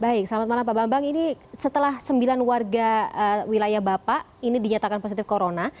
baik selamat malam pak bambang ini setelah sembilan warga wilayah bapak ini dinyatakan positif corona